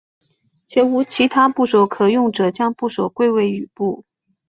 且无其他部首可用者将部首归为羽部。